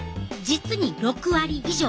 実に６割以上！